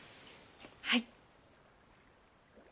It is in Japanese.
はい。